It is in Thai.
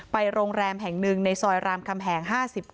โรงแรมแห่งหนึ่งในซอยรามคำแหง๕๙